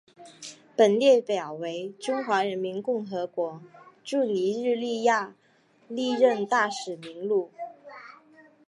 本列表为中华人民共和国驻尼日利亚历任大使名录。